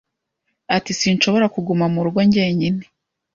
ati sinshobora kuguma murugo jyenyine.